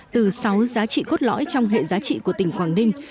từ sáu giá trị cốt lõi trong hệ giá trị của tỉnh quảng ninh